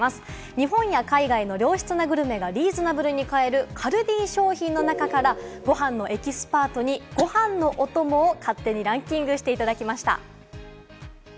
日本や海外の良質なグルメがリーズナブルに買えるカルディ商品の中からご飯のエキスパートにご飯のお供を勝手にランキングしていただきました。